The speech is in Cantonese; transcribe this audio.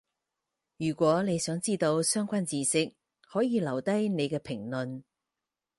如果你想知到相關智識，可以留低你嘅評論